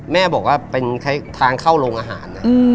แม่บอกว่าเป็นทางเข้าโรงอาหารนะ